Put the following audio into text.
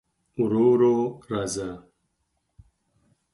ورو ورو راځه